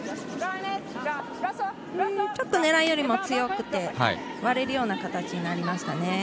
ちょっと狙いよりも強くて割れるような形になりましたね。